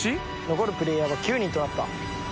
残るプレイヤーは９人となった。